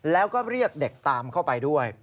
แล้วก็เรียกเด็กตามเข้าไปด้วย